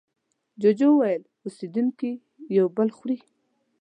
جوجو وویل اوسېدونکي یو بل خوري.